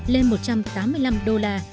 lên một trăm tám mươi năm đô la